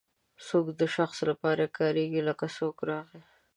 څوک د شخص لپاره کاریږي لکه څوک راغی.